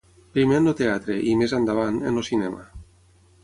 Primer en el teatre i, més endavant, en el cinema.